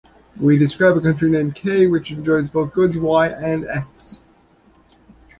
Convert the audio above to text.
We describe a Country named K which enjoys both goods Y and X.